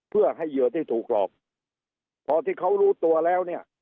เพื่อให้เหยื่อที่ถูกหลอกพอที่เขารู้ตัวแล้วเนี่ย